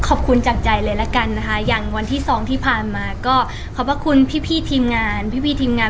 ค่ะก็ขอบคุณจากใจเลยแล้วกันนะคะอย่างวันที่สองที่ผ่านมาก็ขอบคุณพี่พี่ทีมงาน